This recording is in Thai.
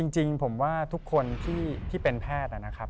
จริงผมว่าทุกคนที่เป็นแพทย์นะครับ